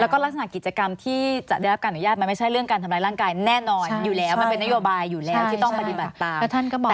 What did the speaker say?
แล้วก็ลักษณะกิจกรรมที่จะได้รับการอนุญาตมันไม่ใช่เรื่องการทำร้ายร่างกายแน่นอนอยู่แล้วมันเป็นนโยบายอยู่แล้วที่ต้องปฏิบัติตาม